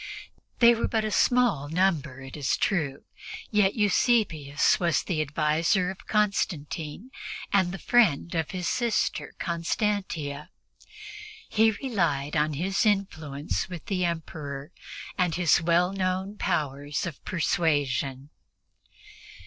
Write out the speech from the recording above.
They were but a small number, it is true, yet Eusebius was the adviser of Constantine and the friend of his sister Constantia. He relied on his influence with the Emperor and his well known powers of persuasion.